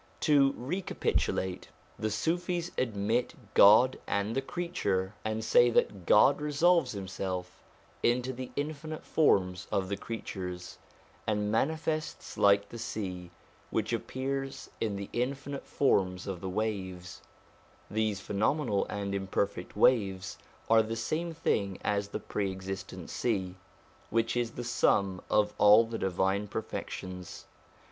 To recapitulate : the Sufis admit God and the creature, MISCELLANEOUS SUBJECTS 333 and say that God resolves Himself into the infinite forms of the creatures, and manifests like the sea, which appears in the infinite forms of the waves: these phenomenal and imperfect waves are the same thing as the Pre existent Sea, which is the sum of all the divine perfections.